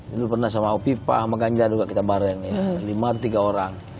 dulu pernah sama hovipa sama ganjar juga kita bareng ya lima atau tiga orang